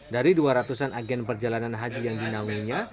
dari dua ratusan agen perjalanan haji yang dinaunginya